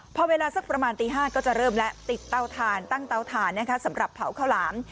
พอเวลาสักประมาณตี๕ก็จะเริ่มแล้วติดเตาทานตั้งเตาถ่านสำหรับเผาข้าวหลาม